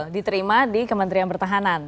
diterima di kementerian pertahanan